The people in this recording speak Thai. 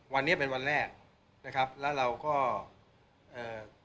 วันนี้เป็นวันแรกนะครับแล้วเราก็เอ่อ